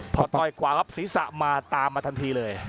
พอต่อยขวารับศีรษะมาตามมาทันทีเลย